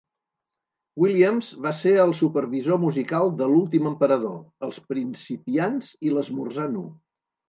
Williams va ser el supervisor musical de L'últim emperador, Els principiants i L'esmorzar nu.